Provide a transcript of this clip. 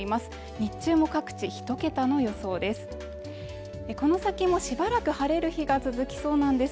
日中も各地１桁の予想です